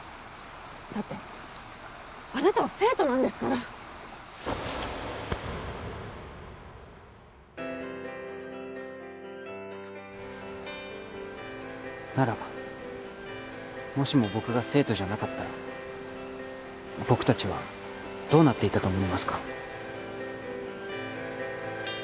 だってあなたは生徒なんですからならもしも僕が生徒じゃなかったら僕達はどうなっていたと思いますか？